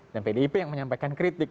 dan pdip yang menyampaikan kritik